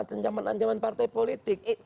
ancaman ancaman partai politik